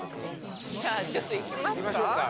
じゃあちょっと行きますか。